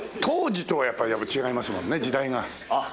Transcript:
当時とはやっぱり違いますもんね時代が。